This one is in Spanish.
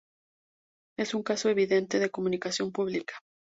es un caso evidente de comunicación pública